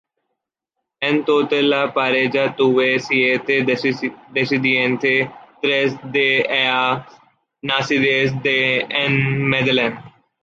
En total la pareja tuvo siete descendientes, tres de ellas nacidas en Medellín.